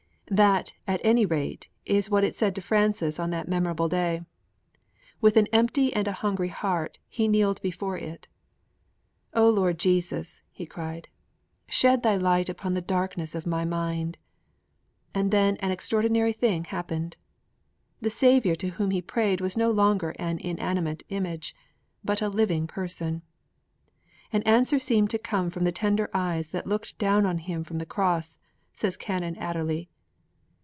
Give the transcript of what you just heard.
_"' That, at any rate, is what it said to Francis on that memorable day. With an empty and a hungry heart he kneeled before it. 'O Lord Jesus,' he cried, 'shed Thy light upon the darkness of my mind!' And then an extraordinary thing happened. The Saviour to whom he prayed was no longer an inanimate image; but a living Person! 'An answer seemed to come from the tender eyes that looked down on him from the Cross,' says Canon Adderley.